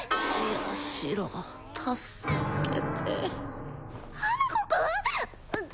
ヤシロ助けて花子くん！？